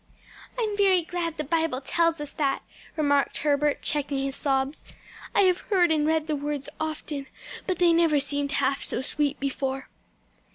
'" "I'm very glad the Bible tells us that," remarked Herbert, checking his sobs. "I have heard and read the words often, but they never seemed half so sweet before."